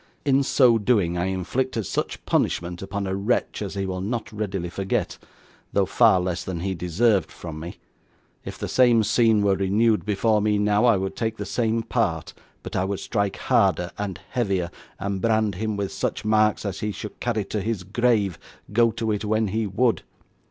In so doing, I inflicted such punishment upon a wretch as he will not readily forget, though far less than he deserved from me. If the same scene were renewed before me now, I would take the same part; but I would strike harder and heavier, and brand him with such marks as he should carry to his grave, go to it when he would.